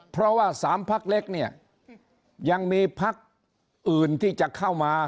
เพราะว่า๓พักเล็กเนี่ยยังมีพักอื่นที่จะเข้ามา